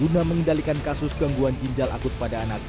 guna mengendalikan kasus gangguan ginjal akut pada anak